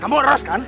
kamu eros kan